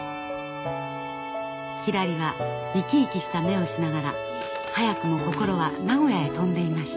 ひらりは生き生きした目をしながら早くも心は名古屋へ飛んでいました。